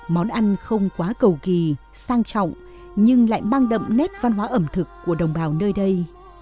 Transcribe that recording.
món ăn không quá cầu kỳ sang trọng nhưng lại mang đậm nét văn hóa ẩm thực của đồng bào nơi đây